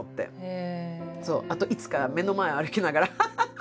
あといつか目の前歩きながら「ハハハハ！」